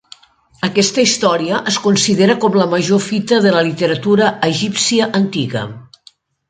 Aquesta història és considerada com la major fita de la literatura egípcia antiga.